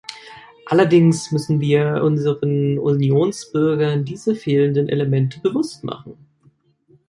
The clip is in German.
Allerdings müssen wir unseren Unionsbürgern diese fehlenden Elemente bewusst machen.